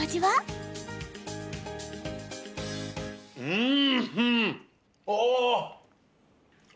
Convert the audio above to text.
うん！